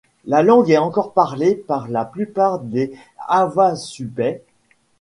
La langue est encore parlée par la plupart des Havasupai.